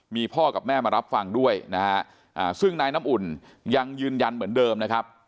มีพ่อกับแม่มารับฟังด้วยนะฮะซึ่งนายน้ำอุ่นยังยืนยันเหมือนเดิมนะครับ